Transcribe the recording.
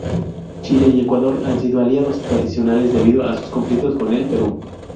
Chile y Ecuador han sido aliados tradicionales debido a sus conflictos con el Perú.